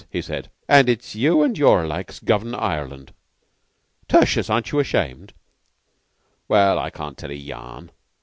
he said. "And it's you and your likes govern Ireland. Tertius, aren't you ashamed?" "Well, I can't tell a yarn.